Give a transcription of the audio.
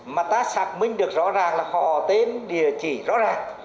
mà ta xác minh được rõ ràng là họ tên địa chỉ rõ ràng